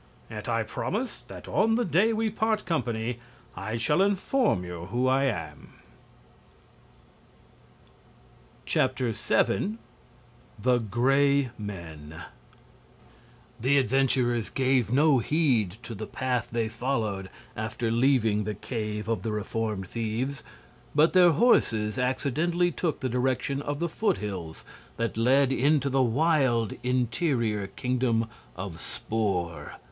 Yet I promise that on the day we part company I shall inform you who I am." 7. The Gray Men The adventurers gave no heed to the path they followed after leaving the cave of the reformed thieves, but their horses accidentally took the direction of the foot hills that led into the wild interior Kingdom of Spor.